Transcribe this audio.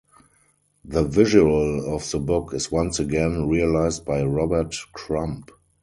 The visual of the book is once again realized by Robert Crumb.